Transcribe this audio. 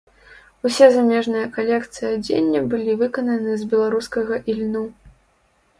Усе замежныя калекцыі адзення былі выкананы з беларускага ільну.